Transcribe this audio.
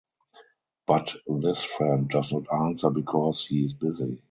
But this friend does not answer because he is busy.